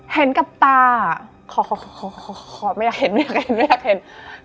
เห็นกับตาขอไม่อยากเห็น